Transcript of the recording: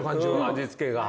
味付けが。